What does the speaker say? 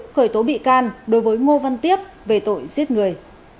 khởi tố bị can đối với ngô văn tiếp về tội giết người